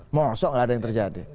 mohon sok gak ada yang terjadi